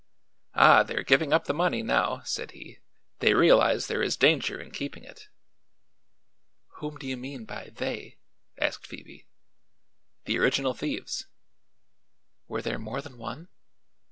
"Ah, they're giving up the money now," said he. "They realize there is danger in keeping it." "Whom do you mean by 'they'?" asked Phoebe. "The original thieves." "Were there more than one?"